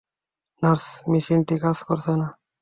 Nurse, মেশিনটি কাজ করছে না।